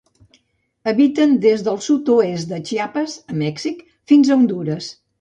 Habiten des del sud-oest de Chiapas, a Mèxic, fins a Hondures.